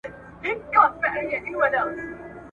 چي له خلوته مو د شیخ سیوری شړلی نه دی !.